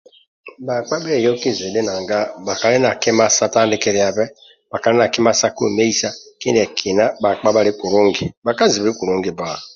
Bhakpa bheyoki zidhi nanga bhakali na kima sa tandikiliabe bhakali na kima sa kwemeisa kindiekina bhakpa bhali kulungi bhakazibi kulungi bba